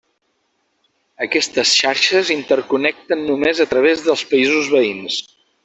Aquestes xarxes interconnecten només a través dels països veïns.